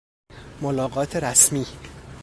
ملاقات رسمی